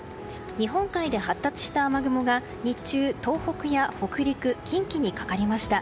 日本海で発達した雨雲が日中、東北や北陸近畿にかかりました。